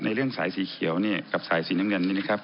เรื่องสายสีเขียวเนี่ยกับสายสีน้ำเงินนี่นะครับ